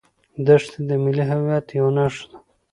دښتې د ملي هویت یوه نښه ده.